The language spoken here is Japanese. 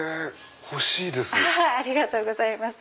欲しいです。